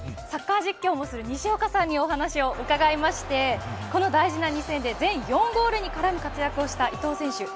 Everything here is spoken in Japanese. サッカー実況もする西岡さんにお話を伺いまして大事な２戦で全４ゴールに絡む活躍をした伊東選手